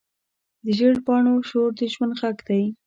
د زېړ پاڼو شور د ژوند غږ دی